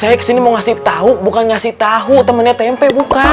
saya kesini mau ngasih tahu bukan ngasih tahu temennya tempe bukan